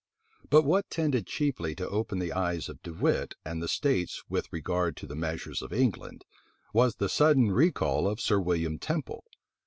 But what tended chiefly to open the eyes of De Wit and the states with regard to the measures of England, was the sudden recall of Sir William Temple.